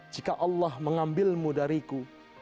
jika allah mengambilmu dariku